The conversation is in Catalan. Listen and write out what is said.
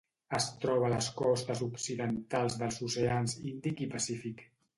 Es troba a les costes occidentals dels oceans Índic i Pacífic.